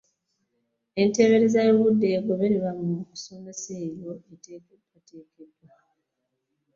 Entereeza y’obudde egobererwa mu kusomesa eyo eteekeddwateekeddwa.